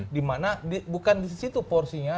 dimana bukan disitu porsinya